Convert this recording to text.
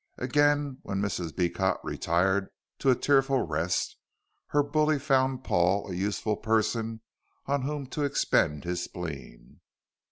Again, when Mrs. Beecot retired to a tearful rest, her bully found Paul a useful person on whom to expend his spleen.